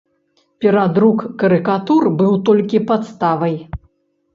Перадрук карыкатур быў толькі падставай.